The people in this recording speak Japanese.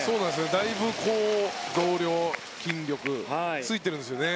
だいぶ増量、筋力ついているんですよね